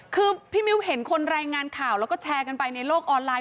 คือพี่มิ้วเห็นคนรายงานข่าวแล้วก็แชร์กันไปในโลกออนไลน์